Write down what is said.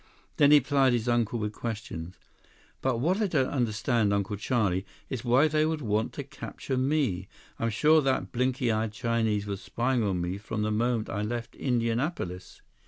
Then he plied his uncle with questions. "But what I don't understand, Uncle Charlie, is why they would want to capture me? I'm sure that blinky eyed Chinese was spying on me from the moment I left Indianapolis.